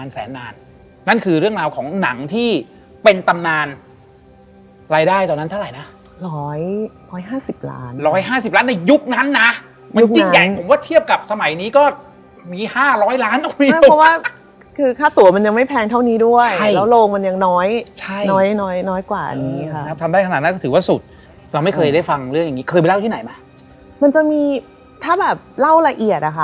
เสียงฝนเสียงพยุเนี่ย